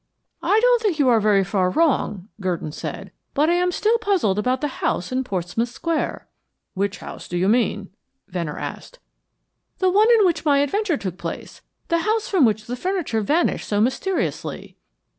"I don't think you are very far wrong," Gurdon said, "but I am still puzzled about the house in Portsmouth Square." "Which house do you mean?" Venner asked. "The one in which my adventure took place. The house from which the furniture vanished so mysteriously."